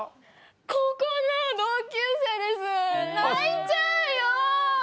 高校の同級生です泣いちゃうよ！